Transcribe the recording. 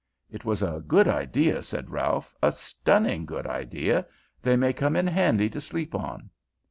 "It was a good idea," said Ralph. "A stunning good idea. They may come in handy to sleep on."